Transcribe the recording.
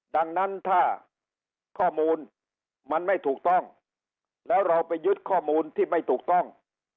ดังนั้นถ้าข้อมูลมันไม่ถูกต้องแล้วเราไปยึดข้อมูลที่ไม่ถูกต้อง